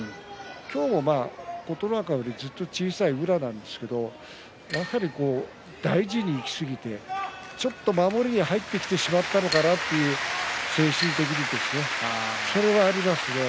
今日は、琴ノ若よりずっと小さい宇良ですけど大事にいきすぎてちょっと守りに入ってしまったのかなという精神的にですね